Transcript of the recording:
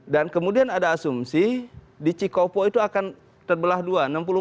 dan kemudian ada asumsi di cikopo itu akan terbelah dua